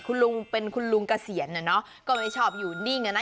คุณลุงเป็นคุณลุงเกษียณอ่ะเนอะก็ไม่ชอบอยู่นิ่งอ่ะนะ